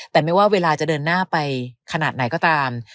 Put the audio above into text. แต่ไม่ว่าเวลาจะเดินหน้าไปขนาดไหนก็ตาม